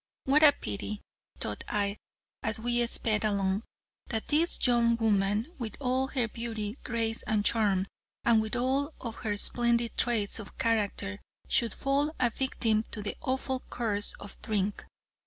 "What a pity," thought I, as we sped along, "that this young woman, with all of her beauty, grace and charm, and with all of her splendid traits of character, should fall a victim to the awful curse of drink!